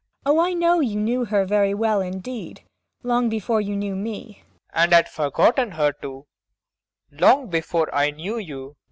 MAIA. Oh, I know you knew her very well indeed long before you knew me. PROFESSOR RUBEK. And had forgotten her, too long before I knew you.